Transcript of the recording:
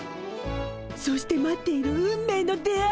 そして待っている運命の出会い。